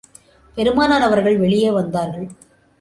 பெருமானார் அவர்கள் வெளியே வந்தார்கள்.